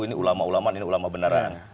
ini ulama ulama ini ulama beneran